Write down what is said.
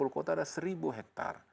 lima puluh kota ada satu hektar